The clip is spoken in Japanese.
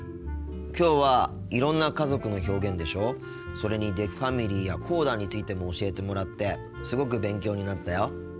きょうはいろんな家族の表現でしょそれにデフファミリーやコーダについても教えてもらってすごく勉強になったよ。